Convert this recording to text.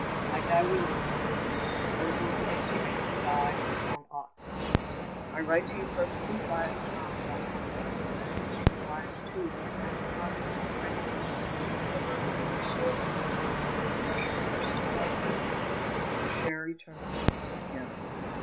I die willingly, and the Lord will give me strength to die as one ought to die. "I write to you perfectly quiet and calm about all things, and I hope that your lives too will pass calmly and tranquilly until the moment when our souls meet again full of fresh force to love one another and to share eternal happiness together.